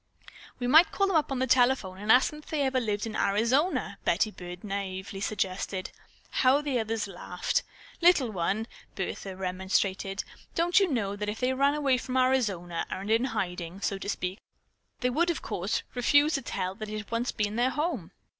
"We might call them up on the telephone and ask them if they ever lived in Arizona," Betty Byrd naively suggested. How the others laughed. "Little one," Bertha remonstrated, "don't you know that if they ran away from Arizona and are in hiding, so to speak, they would, of course, refuse to tell that it had once been their home.